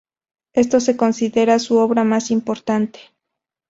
Esto se considera su obra más importante.